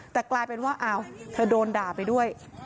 แต่กลายเป็นว่าอ้าวเธอโดนด่าไปด้วย